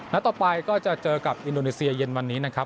ต่อไปก็จะเจอกับอินโดนีเซียเย็นวันนี้นะครับ